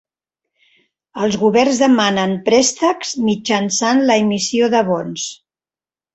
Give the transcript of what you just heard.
Els governs demanen préstecs mitjançant l'emissió de bons.